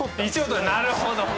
なるほど。